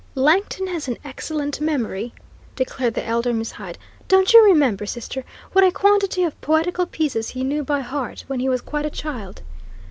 "Langton has an excellent memory!" declared the elder Miss Hyde. "Don't you remember, sister, what a quantity of poetical pieces he knew by heart when he was quite a child?"